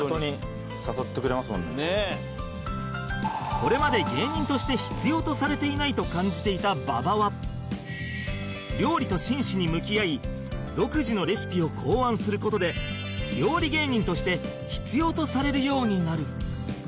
これまで芸人として必要とされていないと感じていた馬場は料理と真摯に向き合い独自のレシピを考案する事で料理芸人として必要とされるようになる